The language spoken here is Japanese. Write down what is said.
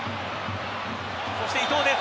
そして伊東です。